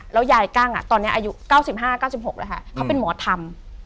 แล้วยายกั้งตอนนี้อายุ๙๕๙๖แล้วค่ะเขาเป็นหมอธรรม